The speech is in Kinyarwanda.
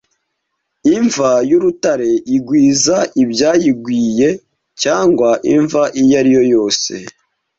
Imva y'urutare igwiza ibyayibwiwe, cyangwa imva iyo ari yo yose,